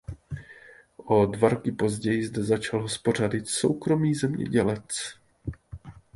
O dva roky později zde začal hospodařit soukromý zemědělec.